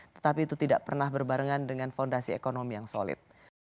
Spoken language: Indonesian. tetapi itu tidak pernah berbarengan dengan fondasi ekonomi yang solid